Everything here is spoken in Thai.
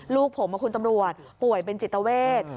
ลูกผมคุณตำรวจป่วยเป็นจิตเวท